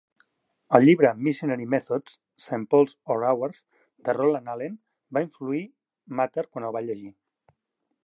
El llibre "Missionary Methods: Saint Paul's or Ours?" de Roland Allen va influir Mather quan el va llegir.